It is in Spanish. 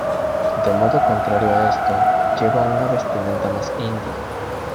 De modo contrario a esto, lleva una vestimenta más Indie.